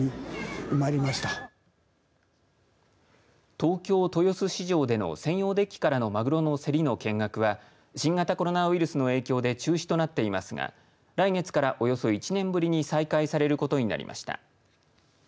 東京、豊洲市場での専用デッキからのマグロの競りの見学は新型コロナウイルスの影響で中止となっていますが来月からおよそ１年ぶりに再開されることになりました。